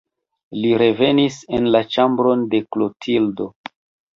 Li revenis en la ĉambron de Klotildo.